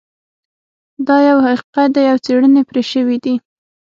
دا یو حقیقت دی او څیړنې پرې شوي دي